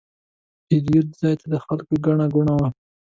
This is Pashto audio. د پیرود ځای ته د خلکو ګڼه ګوڼه وه.